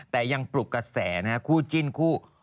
แต่ยังปลุกกระแสนะฮะคู่จิ้นคู่